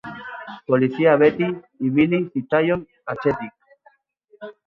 Polizia beti ibili zitzaion atzetik.